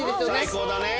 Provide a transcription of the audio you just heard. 最高だね！